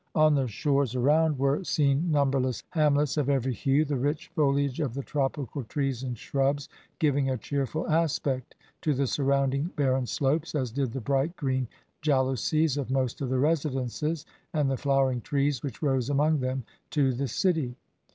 On the shores around were seen numberless hamlets of every hue, the rich foliage of the tropical trees and shrubs, giving a cheerful aspect to the surrounding barren slopes, as did the bright green jalousies of most of the residences, and the flowering trees which rose among them, to the city.